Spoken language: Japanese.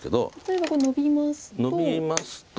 例えばノビますと。